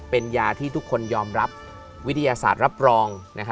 เป็นยาที่ทุกคนยอมรับวิทยาศาสตร์รับรอง